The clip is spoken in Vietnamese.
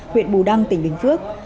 huyện bù đăng tỉnh bình phước